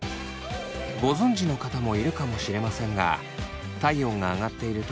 ご存じの方もいるかもしれませんが体温が上がっている時